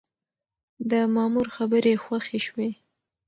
د مامور خبرې خوښې شوې.